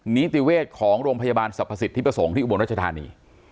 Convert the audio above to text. นิติเวชของโรงพยาบาลสรรพสิทธิประสงค์ที่อุบลรัชธานี